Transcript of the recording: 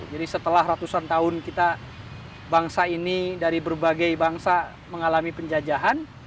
setelah ratusan tahun kita bangsa ini dari berbagai bangsa mengalami penjajahan